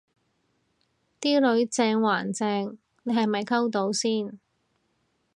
啲女正還正你係咪溝到先